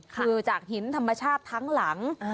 คือจากหินธรรมชาติทั้งหลัง